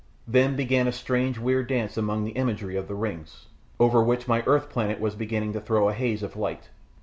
Then began a strange, weird dance amongst the imagery of the rings, over which my earth planet was beginning to throw a haze of light.